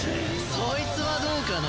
そいつはどうかな？